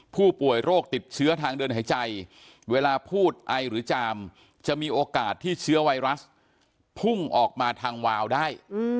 ผู้ป่วยโรคติดเชื้อทางเดินหายใจเวลาพูดไอหรือจามจะมีโอกาสที่เชื้อไวรัสพุ่งออกมาทางวาวได้